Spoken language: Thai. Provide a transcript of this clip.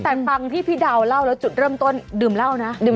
แต่ฟังที่พี่ดาวเล่าแล้วจุดเริ่มต้นดื่มเหล้านะ